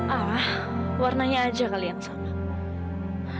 ah warnanya aja kali yang sama